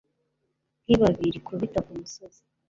Nkibabi rikubita kumusozi